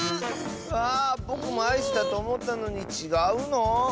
あぼくもアイスだとおもったのにちがうの？